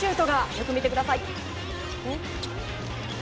よく見てください。